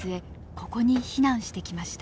ここに避難してきました。